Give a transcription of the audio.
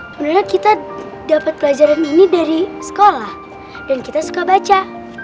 sebenarnya kita dapat pelajaran ini dari sekolah dan kita suka baca